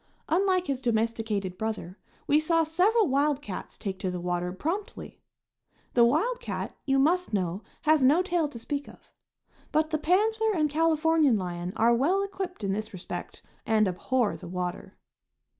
Unlike his domesticated brother, we saw several wild cats take to the water promptly. The wild cat, you must know, has no tail to speak of. But the panther and Californian lion are well equipped in this respect and abhor the water.